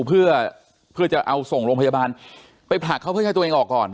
เพื่อเพื่อจะเอาส่งโรงพยาบาลไปผลักเขาเพื่อให้ตัวเองออกก่อน